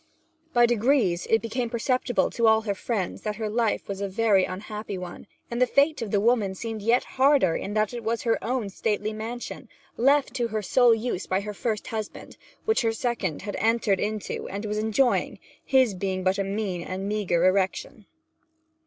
By degrees it became perceptible to all her friends that her life was a very unhappy one; and the fate of the fair woman seemed yet the harder in that it was her own stately mansion, left to her sole use by her first husband, which her second had entered into and was enjoying, his being but a mean and meagre erection.